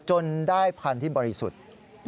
จนได้พันธุ์ที่บริสุทธิ์